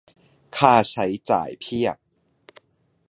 ค่าใช้จ่ายเพียบ